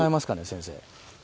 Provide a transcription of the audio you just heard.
先生。